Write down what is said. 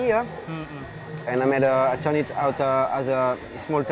saya mengubahnya menjadi tartar kecil seperti ini